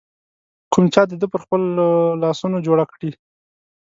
کوم چا د ده پر خپلو لاسونو جوړه کړې